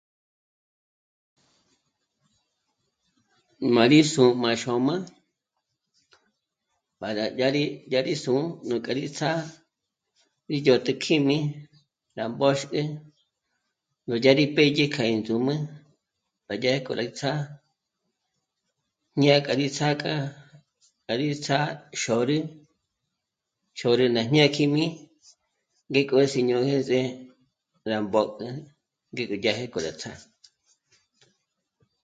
Má rí sù'u má xôm'a para yá rí, yá rí sù'u núk'a rí tsjá'a í yó té'e kíjmi rá mbòxge núdya rí pédye k'a í ndzǔm'ü b'a dya k'o rí tsjá'a mí nyà k'a rí tsják'a ngá rítsá xôrü, xôrü ná ñakíjmi ngíko sí'ño jä̂s'ä rá mbók'ü dya jé kôga tsjá'a